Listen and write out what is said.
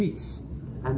berdoa dan berdoa